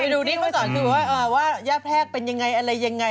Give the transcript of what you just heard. เขาสอนคือว่าแย่แพรกเป็นยังไงอะไรยังไง